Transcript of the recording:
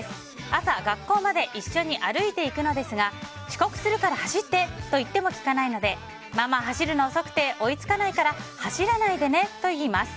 朝、学校まで一緒に歩いていくのですが遅刻するから走って！と言っても聞かないのでママ走るの遅くて追いつかないから走らないでねと言います。